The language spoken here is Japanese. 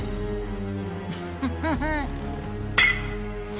ウフフフ。